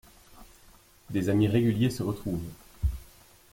Des amis réguliers se retrouvent.